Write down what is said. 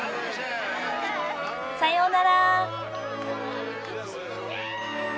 さようなら。